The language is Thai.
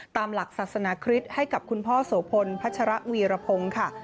ตามหลักศาสนาคริสต์ให้กับคุณพ่อโสพลพัชระวีรพงศ์ค่ะ